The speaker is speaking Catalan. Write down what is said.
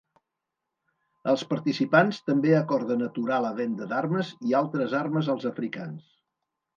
Els participants també acorden aturar la venda d'armes i altres armes als africans.